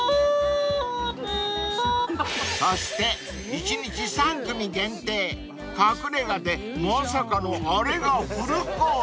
［そして一日３組限定隠れ家でまさかのあれがフルコース］